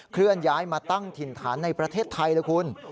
เคลื่อนย้ายมาตั้งถิ่นฐานในประเทศไทยเลยคุณ